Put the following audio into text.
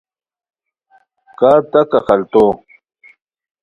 کا تکہ خلتو